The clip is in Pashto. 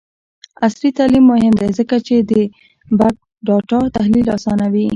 عصري تعلیم مهم دی ځکه چې د بګ ډاټا تحلیل اسانوي.